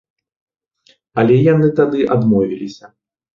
Але яны тады адмовіліся.